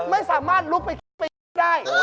ไม่สามารถลุกไปได้